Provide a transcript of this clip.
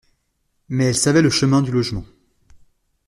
Mais elle savait le chemin du logement.